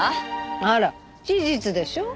あら事実でしょ？